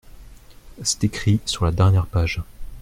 C’est écrit sur la dernière page.